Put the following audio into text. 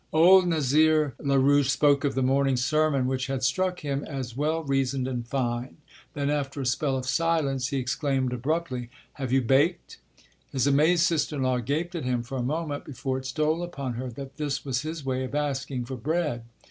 Old Nazaire Larouche spoke of the morning's sermon which had struck him as well reasoned and fine; then after a spell of silence he exclaimed abruptly "Have you baked?" His amazed sister in law gaped at him for a moment before it stole upon her that this was his way of asking for bread.